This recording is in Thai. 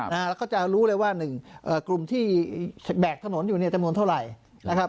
แล้วก็จะรู้เลยว่า๑กลุ่มที่แบกถนนอยู่เนี่ยจำนวนเท่าไหร่นะครับ